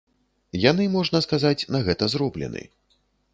Яны, можна сказаць, на гэта зроблены.